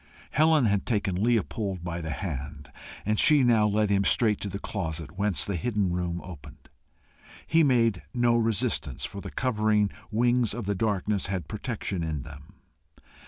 Helen had taken Leopold by the hand, and she now led him straight to the closet whence the hidden room opened. He made no resistance, for the covering wings of the darkness had protection in them.